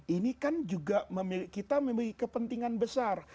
ini kan juga kita memiliki kepentingan besar